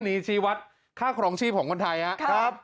นี่ชีวัฒน์ค่าของชีพของคนไทยครับ